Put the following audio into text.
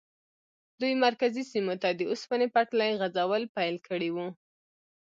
دوی مرکزي سیمو ته د اوسپنې پټلۍ غځول پیل کړي وو.